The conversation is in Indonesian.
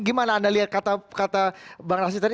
gimana anda lihat kata bang rashid tadi